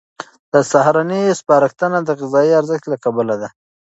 د سهارنۍ سپارښتنه د غذایي ارزښت له کبله ده.